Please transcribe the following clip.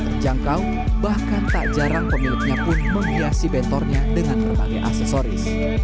terjangkau bahkan tak jarang pemiliknya pun menghiasi bentornya dengan berbagai aksesoris